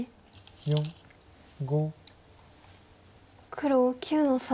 黒９の三。